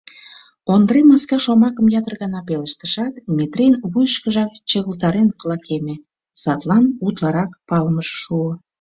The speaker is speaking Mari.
Ондре «маска» шомакым ятыр гана пелештышат, Метрийын вуйышкыжак чыгылтарен лакеме, садлан утларак палымыже шуо.